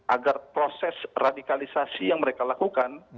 agar proses radikalisasi yang mereka lakukan